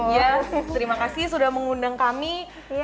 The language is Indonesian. ya terima kasih sudah mengunjungi rumahku